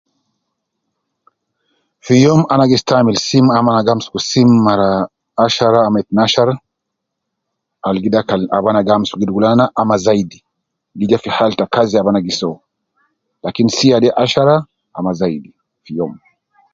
Fi youm ana gi stamil sim ama ana gi amsuku sim mara ashara ama itnashar al gi dakal ab ana gi amsuku gi dugu nana ama zaidi, gi ja fi hal ta kazi ab ana gi soo, lakin sia de ashara ama zaidi fi youm